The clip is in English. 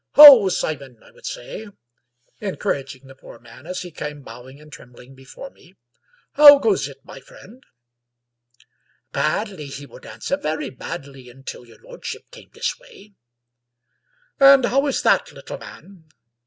"Ho, Simon," I would say, encouraging the poor man as he came bowing and trembling before me, " how goes it, my friend?" 139 English Mystery Stories " Badly," he would answer, " very badly until your lord ship came this way." " And how is that, little man?